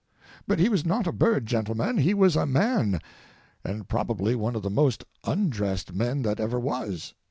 But he was not a bird, gentlemen, he was a man, and probably one of the most undressed men that ever was.